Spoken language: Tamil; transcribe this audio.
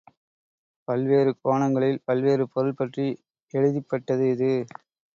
பல்வேறு கோணங்களில் பல்வேறு பொருள்பற்றி எழுதிப்பட்டது இது.